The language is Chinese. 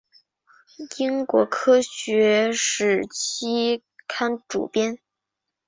英国科学史期刊主编。